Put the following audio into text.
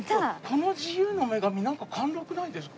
この自由の女神なんか貫禄ないですか？